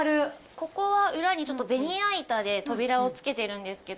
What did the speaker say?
ここは裏にベニヤ板で扉を付けてるんですけど。